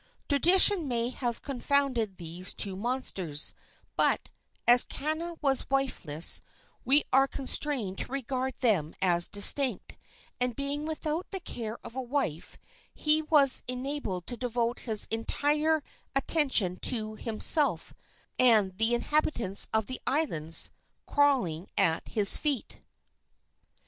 Tradition may have confounded these two monsters; but, as Kana was wifeless, we are constrained to regard them as distinct; and, being without the care of a wife, he was enabled to devote his entire attention to himself and the inhabitants of the islands crawling at his feet.